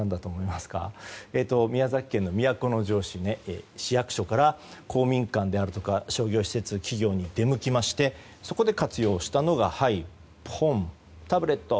宮崎県の都城市、市役所から公民館であるとか商業施設、企業に出向きましてそこで活用したのがタブレット。